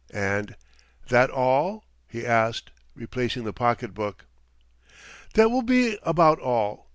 And, "'That all?" he asked, replacing the pocket book. "That will be about all.